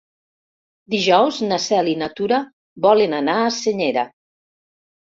Dijous na Cel i na Tura volen anar a Senyera.